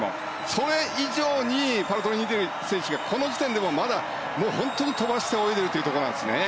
それ以上にパルトリニエリ選手がこの時点でもまだ飛ばして泳いでいるというところなんですね。